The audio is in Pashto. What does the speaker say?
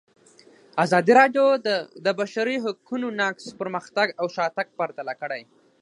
ازادي راډیو د د بشري حقونو نقض پرمختګ او شاتګ پرتله کړی.